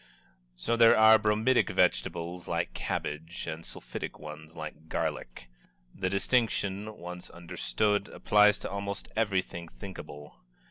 So there are bromidic vegetables like cabbage, and sulphitic ones like garlic. The distinction, once understood, applies to almost everything thinkable.